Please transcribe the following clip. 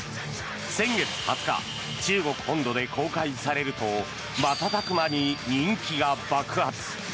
先月２０日中国本土で公開されると瞬く間に人気が爆発。